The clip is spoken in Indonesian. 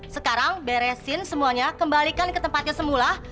sekarang beresin semuanya kembalikan ke tempatnya semula